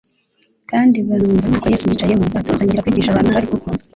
kandi banamwumva, nuko Yesu yicaye mu bwato atangira kwigisha abantu bari ku nkombe'.